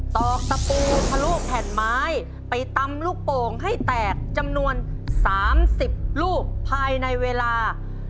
ตอกตะปูทะลุแผ่นไม้ไปตำลูกโป่งให้แตกจำนวน๓๐ลูกภายในเวลา